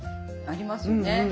ありますよね。